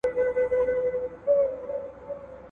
په ژوندون مي نصیب نه سوې په هر خوب کي راسره یې `